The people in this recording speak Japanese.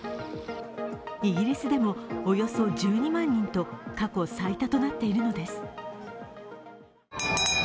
イギリスでもおよそ１２万人と過去最多となっているのです。